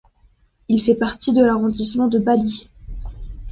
Il fait partie de l'arrondissement de Bali.